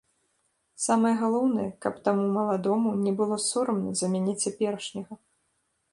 Самае галоўнае, каб таму маладому не было сорамна за мяне цяперашняга.